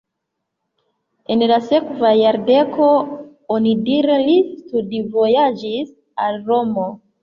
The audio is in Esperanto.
En la sekva jardeko onidire li studvojaĝis al Romo.